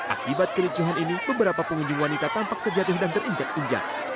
akibat kericuhan ini beberapa pengunjung wanita tampak terjatuh dan terinjak injak